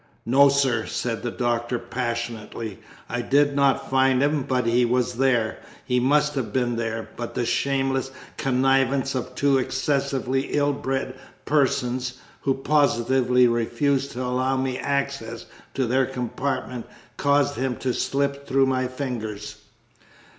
"No, sir," said the Doctor passionately, "I did not find him, but he was there; he must have been there! but the shameless connivance of two excessively ill bred persons, who positively refused to allow me access to their compartment, caused him to slip through my fingers."